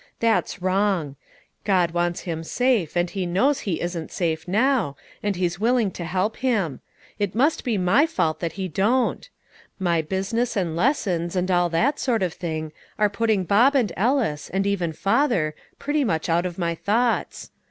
That's wrong. God wants him safe, and He knows he isn't safe now, and He's willing to help him; it must be my fault that He don't. My business and lessons, and all that sort of thing, are putting Bob and Ellis, and even father, pretty much out of my thoughts.